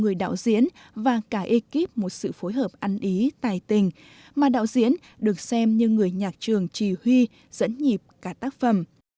người đạo diễn và cả ekip một sự phối hợp ăn ý tài tình mà đạo diễn được xem như người nhạc trường chỉ huy dẫn nhịp cả tác phẩm